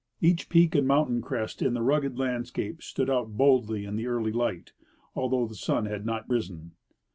Each peak and mountain crest in the rugged landscape stood out boldly in the early light, although the sun had not risen.